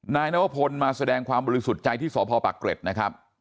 นายนวพลมาแสดงความบริสุทธิ์ใจที่สพปักเกร็ดนะครับ